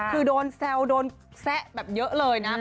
คือโดนแซวโดนแซะแบบเยอะเลยนะ